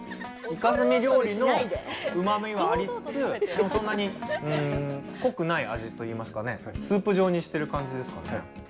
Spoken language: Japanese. イカスミ料理のうまみはありつつでもそんなに濃くない味といいますかねスープ状にしてる感じですかね。